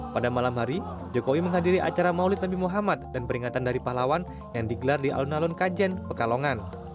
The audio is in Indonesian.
pada malam hari jokowi menghadiri acara maulid nabi muhammad dan peringatan dari pahlawan yang digelar di alun alun kajen pekalongan